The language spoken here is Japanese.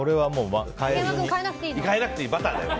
変えなくていい、バターだよ。